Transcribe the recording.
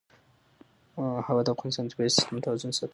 هوا د افغانستان د طبعي سیسټم توازن ساتي.